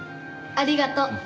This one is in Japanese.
ありがとう。